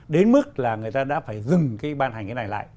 đến mức là người ta đã phải dừng cái ban hành cái này lại